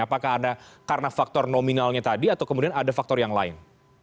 apakah ada karena faktor nominalnya tadi atau kemudian ada faktor yang lain